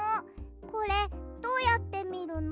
これどうやってみるの？